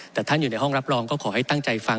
แต่ท่านอยู่ในห้องรับรองก็ขอให้ตั้งใจฟัง